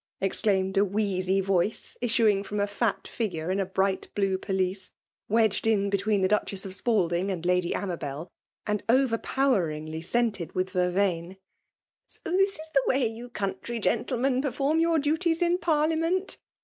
exclaimed a wheezy voice issuing from a fat figure in a bright blue pelisse, wedged in be tween the Duchess of Spalding and Lady Amabel, and overpoweringly scented with ver veine, " So this is the way you country gen tlemen perform your duties in parUament